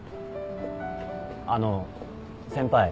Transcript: あの先輩。